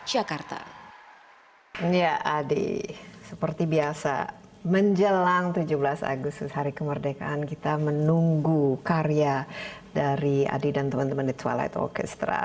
ya adi seperti biasa menjelang tujuh belas agustus hari kemerdekaan kita menunggu karya dari adi dan teman teman di twilight orchestra